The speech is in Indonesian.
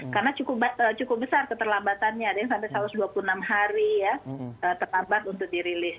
karena cukup besar keterlambatannya ada yang sampai satu ratus dua puluh enam hari ya terlambat untuk dirilis